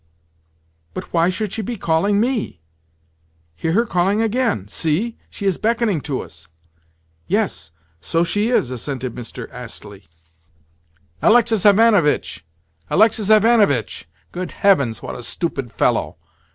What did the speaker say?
"But why should she be calling me? Hear her calling again! See! She is beckoning to us!" "Yes, so she is," assented Mr. Astley. "Alexis Ivanovitch, Alexis Ivanovitch! Good heavens, what a stupid fellow!"